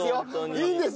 いいんです